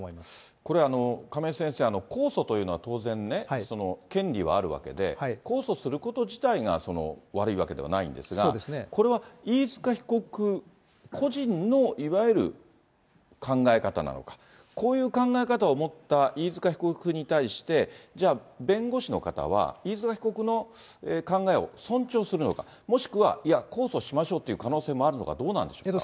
これ、亀井先生、控訴というのは当然ね、権利はあるわけで、控訴すること自体が悪いわけではないんですが、これは飯塚被告個人のいわゆる考え方なのか、こういう考え方を持った飯塚被告に対して、じゃあ、弁護士の方は、飯塚被告の考えを尊重するのか、もしくは、いや、控訴しましょうという可能性もあるのか、どうなんでしょうか。